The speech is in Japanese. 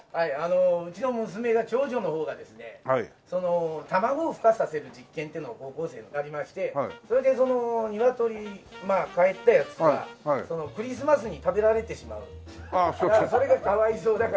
うちの娘が長女の方がですね卵をふ化させる実験っていうのを高校生の時やりましてそれでそのニワトリまあかえったやつがクリスマスに食べられてしまうからそれがかわいそうだから。